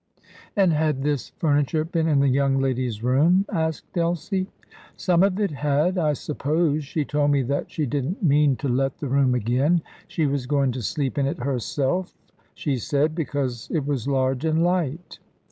"And had this furniture been in the young lady's room?" asked Elsie. "Some of it had, I suppose. She told me that she didn't mean to let the room again; she was going to sleep in it herself," she said, "because it was large and light."